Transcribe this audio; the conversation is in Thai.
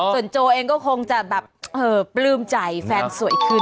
ส่วนโจเองก็คงจะแบบปลื้มใจแฟนสวยขึ้น